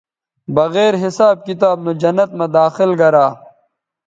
بغیر حساب کتاب نو جنت مہ داخل گرا